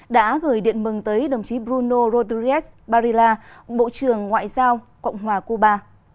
đã gửi điện mừng tới đồng chí bruno rodríguez barilla bộ trưởng ngoại giao cộng hòa cuba